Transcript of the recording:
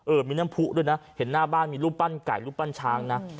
มีน้ำผู้ด้วยนะเห็นหน้าบ้านมีรูปปั้นไก่รูปปั้นช้างนะ